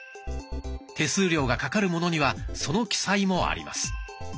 手数料がかかるものにはその記載もあります。